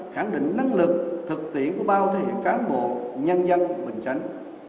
khẳng định năng lực thực tiễn của bao thể cán bộ nhân dân bình chánh